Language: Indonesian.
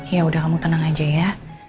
ya udah kamu tenang aja ya